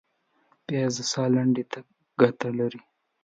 پیاز د ساه لنډۍ ته ګټه لري